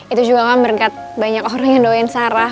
itu juga kan berkat banyak orang yang doain sarah